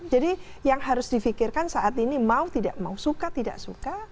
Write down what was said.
jadi yang harus di fikirkan saat ini mau tidak mau suka tidak suka